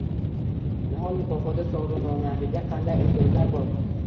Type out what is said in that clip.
«Nihol» mukofoti sovrindorlariga qanday imtiyozlar bor?